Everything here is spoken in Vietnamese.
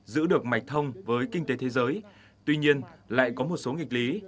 giữ được mạch thông với kinh tế thế giới tuy nhiên lại có một số nghịch lý